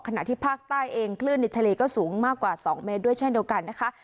ขณะที่ภาคใต้เองคลื่นในทะเลก็สูงมากกว่า๒เมตรด้วยเช่นเดียวกันนะคะ